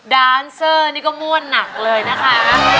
ดานเซอร์นี่ก็ม่วนหนักเลยนะคะ